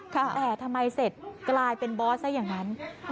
แต่ทำไมเสร็จกลายเป็นบอสซะอย่างนั้น